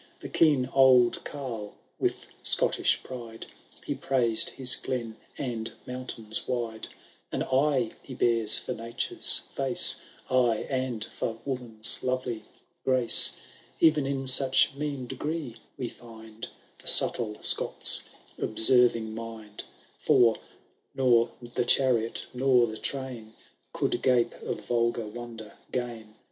The keen old carle, with Scottish pride. He praised his glen and mountains wide ; 62 THR BRIDAL OP TRIBRMAIN. OuUo III, An eye he bears for nature*8 face, Aj, and for woman^s lovely grace. Even in such mean degree we find The subtle Scot^s observing mind ; For, nor the chariot nor the train Could gape of vulgar wonder gain.